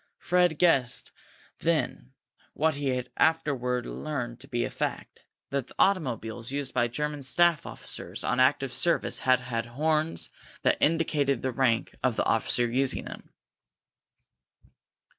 Fred guessed then what he afterward learned to be a fact; that the automobiles used by the German staff officers on active service had horns that indicated the rank of the officer using them.